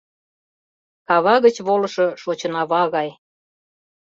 Кава гыч волышо Шочынава гай.